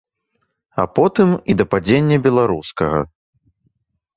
А потым і да падзення беларускага.